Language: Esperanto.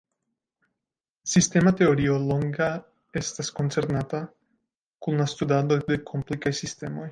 Sistema teorio longa estas koncernata kun la studado de komplikaj sistemoj.